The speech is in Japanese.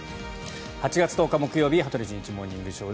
８月１０日、木曜日「羽鳥慎一モーニングショー」。